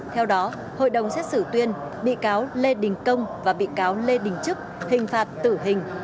theo đó hội đồng xét xử tuyên bị cáo lê đình công và bị cáo lê đình trức hình phạt tử hình